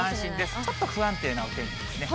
ちょっと不安定なお天気ですね。